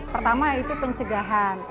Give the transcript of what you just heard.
pertama yaitu pencegahan